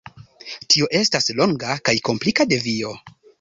Tio estas longa kaj komplika devio.